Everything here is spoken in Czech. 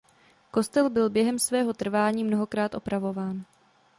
Kostel byl během svého trvání mnohokrát opravován.